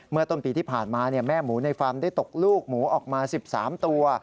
ต้นปีที่ผ่านมาแม่หมูในฟาร์มได้ตกลูกหมูออกมา๑๓ตัว